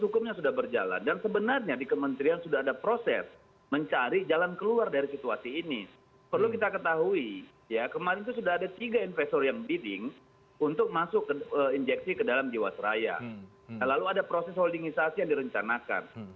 karena ada dua kasus yang menarik